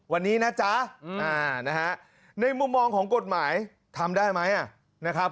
วันนี้นะจ๊ะนะฮะในมุมมองของกฎหมายทำได้ไหมนะครับ